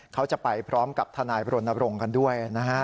เขาจะไปพร้อมกับธนายพลนบรงกันด้วย